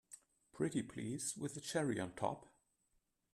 Pretty please with a cherry on top!